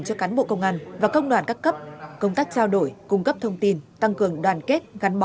cho cán bộ công an và công đoàn các cấp công tác trao đổi cung cấp thông tin tăng cường đoàn kết gắn bó